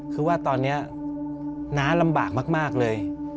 คือว่าตอนนี้น้าลำบากมากเลย